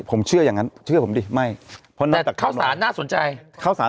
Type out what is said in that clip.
ผมเชื่ออย่างนั้นเชื่อผมดิไม่เข้าสารน่าสนใจเข้าสาร